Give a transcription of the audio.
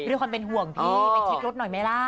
รถหน่อยไหมล่ะ